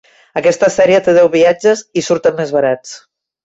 Aquesta sèrie té deu viatges i surten més barats.